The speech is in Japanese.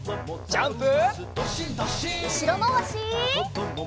ジャンプ！